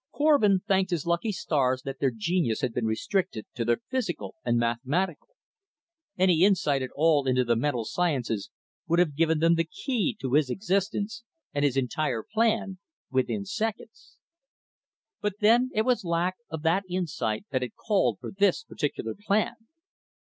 Korvin thanked his lucky stars that their genius had been restricted to the physical and mathematical. Any insight at all into the mental sciences would have given them the key to his existence, and his entire plan, within seconds. But, then, it was lack of that insight that had called for this particular plan.